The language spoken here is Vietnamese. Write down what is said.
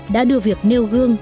đã đưa việc nêu gương